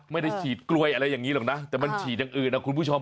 ไม่ได้ฉีดกล้วยอะไรอย่างนี้หรอกนะแต่มันฉีดอย่างอื่นนะคุณผู้ชม